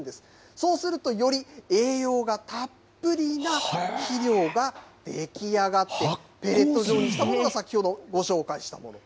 そうすると、より栄養がたっぷりな肥料が出来上がって、ペレット状にしたものが先ほどご紹介したもの。